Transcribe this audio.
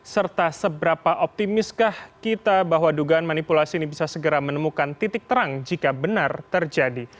serta seberapa optimiskah kita bahwa dugaan manipulasi ini bisa segera menemukan titik terang jika benar terjadi